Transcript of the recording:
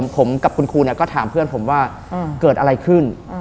ผมกับคุณครูก็ถามเพื่อนผมว่าเกิดอะไรขึ้น